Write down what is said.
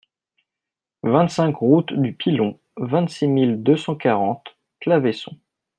vingt-cinq route du Pilon, vingt-six mille deux cent quarante Claveyson